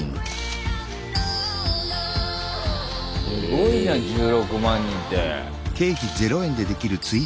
すごいじゃん１６万人って。